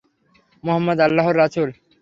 মুহাম্মদ আল্লাহর রাসূল।